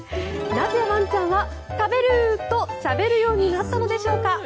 なぜワンちゃんは「食べる」としゃべるようになったのでしょうか。